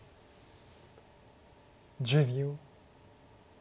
１０秒。